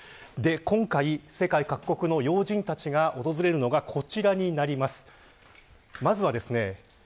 今回、世界各国の要人たちが訪れるのがこちらになります。